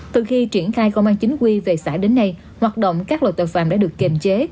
từ khi triển khai công an chính quy về xã đến nay hoạt động các loại tội phạm đã được kiềm chế